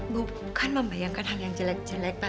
bukan membayangkan hanya yang jelek jelek pak